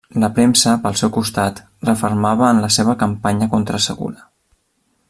La premsa, pel seu costat, refermava en la seva campanya contra Segura.